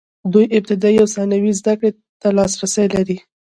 دوی ابتدايي او ثانوي زده کړې ته لاسرسی لري.